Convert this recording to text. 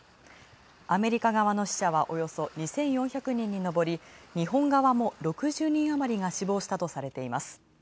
アメリカ側の死者はおよそ２５００人にのぼり、日本側も６０人あまりが死亡されたとされています。